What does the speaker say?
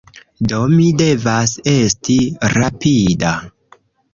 Do, mi devas esti rapida